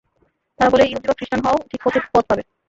তারা বলে, ইহুদী বা খৃস্টান হও, ঠিক পথ পাবে।